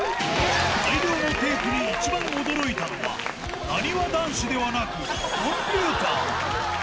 大量のテープに一番驚いたのは、なにわ男子ではなく、コンピューター。